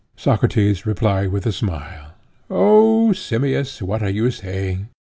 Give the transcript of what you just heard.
Socrates replied with a smile: O Simmias, what are you saying?